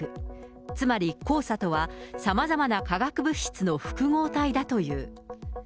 つまり黄砂とは、さまざまな化学物質の複合体だという。